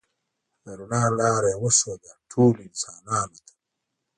د رڼا لاره یې وښوده ټولو انسانانو ته.